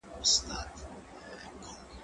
زه بايد د کتابتون کتابونه لوستل کړم!؟